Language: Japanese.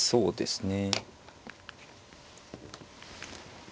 そうですね。